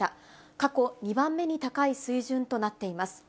過去２番目に高い水準となっています。